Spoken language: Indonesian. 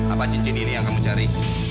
apa cincin ini yang kamu cari